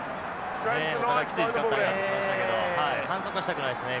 お互いきつい時間帯になってきましたけど反則はしたくないですね